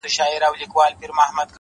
زه چي الله څخه ښكلا په سجده كي غواړم ـ